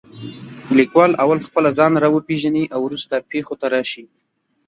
لیکوال اول خپله ځان را وپېژنې او وروسته پېښو ته راشي.